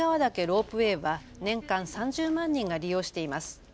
ロープウェイは年間３０万人が利用しています。